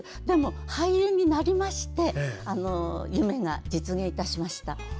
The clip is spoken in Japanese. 俳優になりまして夢が実現いたしました。